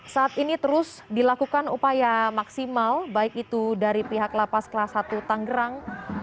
saat ini terus dilakukan upaya maksimal baik itu dari pihak lapas kelas satu tanggerang